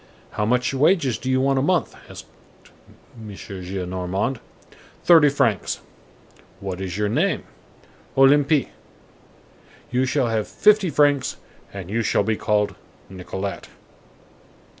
"How much wages do you want a month?" asked M. Gillenormand. "Thirty francs." "What is your name?" "Olympie." "You shall have fifty francs, and you shall be called Nicolette."